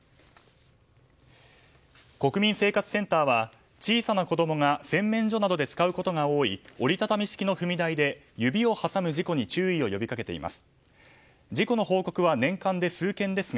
国民生活センターは小さな子供が洗面所などで使うことが多い折り畳み式の踏み台で指を挟む事故に注意を呼びかけています。